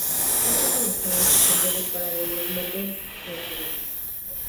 Cuenta con excelentes senderos para las dos motos y el público.